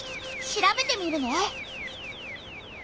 調べてみるね。